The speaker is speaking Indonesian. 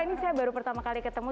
ini saya baru pertama kali ketemu